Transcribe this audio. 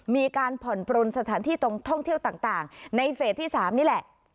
มีการผ่อนปลนสถานที่ตรงท่องเที่ยวต่างในเฟสที่๓นี่แหละ